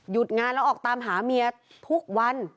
งานแล้วออกตามหาเมียทุกวัน